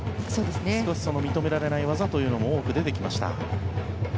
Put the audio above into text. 少し認められない技も多く出てきました。